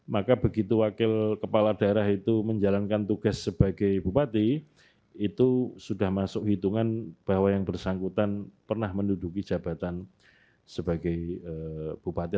maka begitu wakil kepala daerah itu menjalankan tugas sebagai bupati itu sudah masuk hitungan bahwa yang bersangkutan pernah menduduki jabatan sebagai bupati